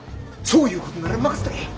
そういうことなら任せとけ。